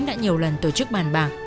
đã nhiều lần tổ chức bàn bạc